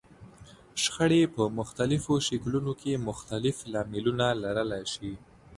شخړې په مختلفو شکلونو کې مختلف لاملونه لرلای شي.